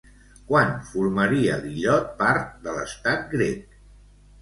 Quan formaria l'illot part de l'estat grec?